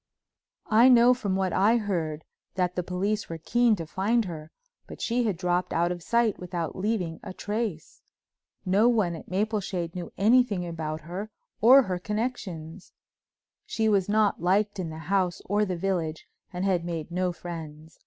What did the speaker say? I know from what I heard that the police were keen to find her, but she had dropped out of sight without leaving a trace. No one at Mapleshade knew anything about her or her connections. She was not liked in the house or the village and had made no friends.